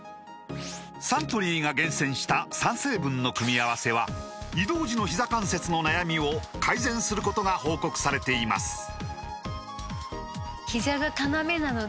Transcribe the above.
サントリーが厳選した３成分の組み合わせは移動時のひざ関節の悩みを改善することが報告されています